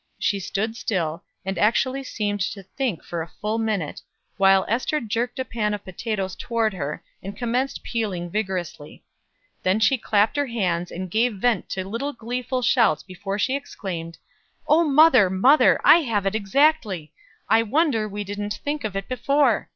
She stood still, and actually seemed to think for a full minute, while Ester jerked a pan of potatoes toward her, and commenced peeling vigorously; then she clapped her hands, and gave vent to little gleeful shouts before she exclaimed "Oh, mother, mother! I have it exactly. I wonder we didn't think of it before.